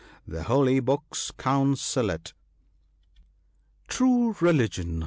The holy Books counsel it —" True Religion !